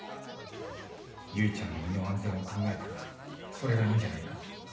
唯ちゃんの身の安全を考えたらそれがいいんじゃないか？